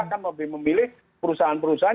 akan lebih memilih perusahaan perusahaan